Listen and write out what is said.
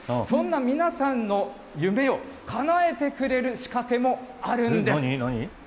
そんな皆さんの夢をかなえてくれる仕掛けもあるんです。